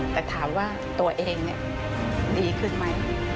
แต่ถามว่าตัวเองดีขึ้นไหม